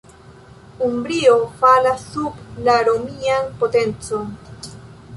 Umbrio falas sub la romian potencon.